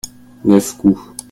neuf coups.